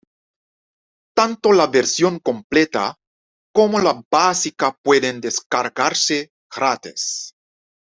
Tanto la versión completa, como la básica pueden descargarse gratis.